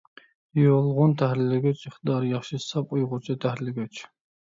يۇلغۇن تەھرىرلىگۈچ — ئىقتىدارى ياخشى، ساپ ئۇيغۇرچە تەھرىرلىگۈچ.